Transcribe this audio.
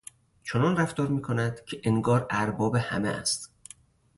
چنان رفتار میکند که انگار ارباب همه است!